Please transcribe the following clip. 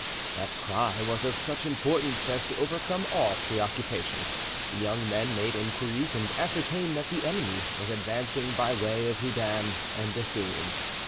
That cry was of such importance as to overcome all preoccupation. The young men made inquiries and ascertained that the enemy was advancing by way of Houdin and Bethune.